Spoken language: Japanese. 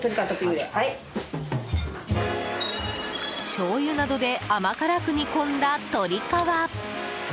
しょうゆなどで甘辛く煮込んだ鶏皮。